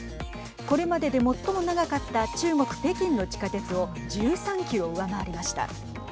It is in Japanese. これまでで最も長かった中国、北京の地下鉄を１３キロ上回りました。